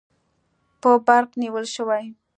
په برق نیول شوي